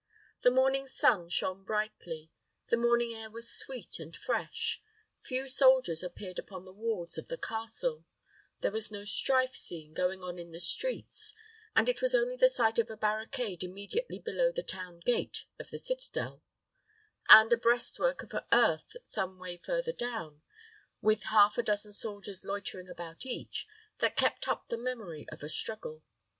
The morning sun shone brightly, the morning air was sweet and fresh, few soldiers appeared upon the walls of the castle, there was no strife seen going on in the streets, and it was only the sight of a barricade immediately below the town gate of the citadel, and a breast work of earth some way further down, with half a dozen soldiers loitering about each, that kept up the memory of a struggle.